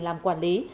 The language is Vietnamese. làm quản lý